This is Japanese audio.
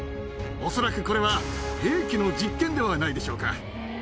恐らく、これは兵器の実験ではないでしょうか。